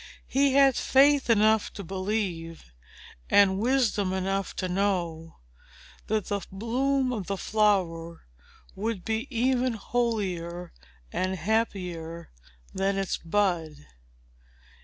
He had faith enough to believe, and wisdom enough to know, that the bloom of the flower would be even holier and happier than its bud.